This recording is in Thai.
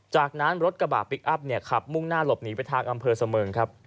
จากนั้นรถกระบะพลิกอัพขับมุ่งหน้าหลบหนีไปทางอำเภอเสมิงครับ